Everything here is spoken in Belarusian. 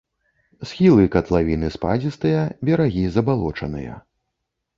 Схілы катлавіны спадзістыя, берагі забалочаныя.